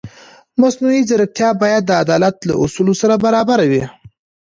مصنوعي ځیرکتیا باید د عدالت له اصولو سره برابره وي.